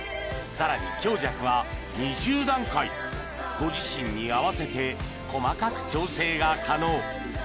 さらに強弱は２０段階ご自身に合わせて細かく調整が可能・